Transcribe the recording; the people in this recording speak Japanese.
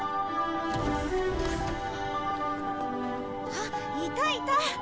あっいたいた！